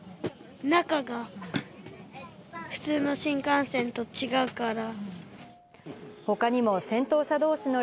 中が普通の新幹線と違うから。